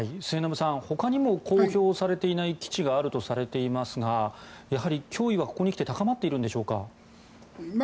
末延さんほかにも公表されていない基地があるとされていますがやはり脅威はここに来て高まっているんでしょうか。